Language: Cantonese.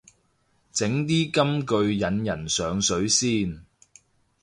整啲金句引人上水先